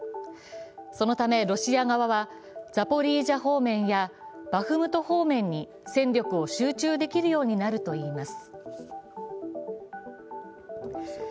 そのためロシア側は、ザポリージャ方面やバフムト方面に戦力を集中できるようになるといいます。